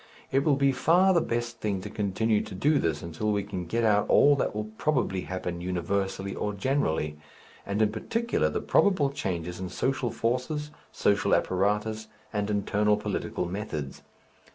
It will be far the best thing to continue to do this until we can get out all that will probably happen universally or generally, and in particular the probable changes in social forces, social apparatus and internal political methods.